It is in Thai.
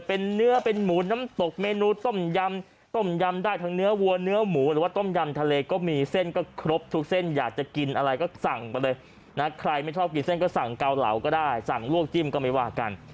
เป็นเนื้อเป็นหมูน้ำตกเมนูต้มยำต้มยำได้ทั้งเนื้อวัวเนื้อหมูหรือว่าต้มยำทะเลก็มีเส้นก็ครบทุกเส้นอยากจะกินอะไรก็สั่งไปเลยนะใครไม่ชอบกินเส้นก็สั่งเกาเหลาก็ได้สั่งลวกจิ้มก็ไม่ว่ากัน